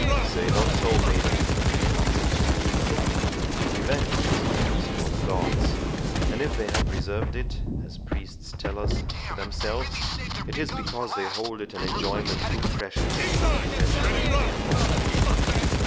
"Say not so, maiden," answered the Templar; "revenge is a feast for the gods! And if they have reserved it, as priests tell us, to themselves, it is because they hold it an enjoyment too precious for the possession of mere mortals.